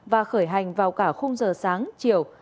và khởi hành vào cả khung giờ sáng chiều